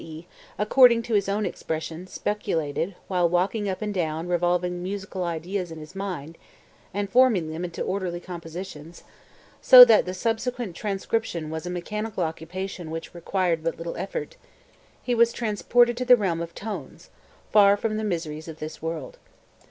e. according to his own expression "speculated" while walking up and down revolving musical ideas in his mind and forming them into orderly compositions, so that the subsequent transcription was a mechanical occupation which required but little effort, he was transported to the realm of tones, far from the miseries of this world.